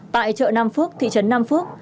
tại chợ nam phước thị trấn nam phước